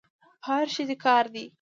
په هر شي دي کار دی.